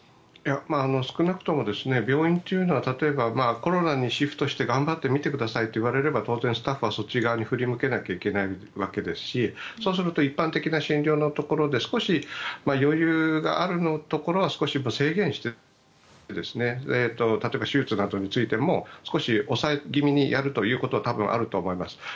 少なくとも病院というのは例えばコロナにシフトして頑張って診てくださいと言われればスタッフはそちらに振り向けなければいけないわけですしそうすると一般的な診療のところで少し余裕があるようなところは少し制限して例えば手術などについても少し抑え気味にやるというところはあると思います。